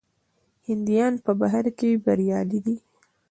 هندیان په بهر کې بریالي دي.